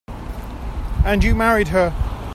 And you married her.